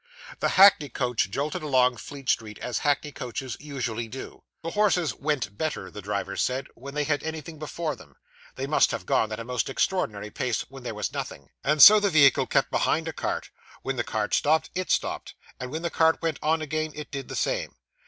The hackney coach jolted along Fleet Street, as hackney coaches usually do. The horses 'went better', the driver said, when they had anything before them (they must have gone at a most extraordinary pace when there was nothing), and so the vehicle kept behind a cart; when the cart stopped, it stopped; and when the cart went on again, it did the same.